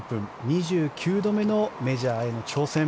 ２９度目のメジャーへの挑戦。